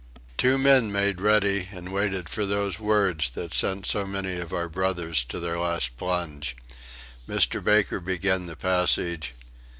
Two men made ready and waited for those words that send so many of our brothers to their last plunge. Mr. Baker began the passage.